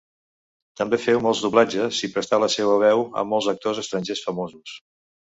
També feu molts doblatges i prestà la seua veu a molts actors estrangers famosos.